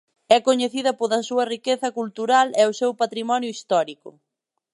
É coñecida pola súa riqueza cultural e o seu patrimonio histórico.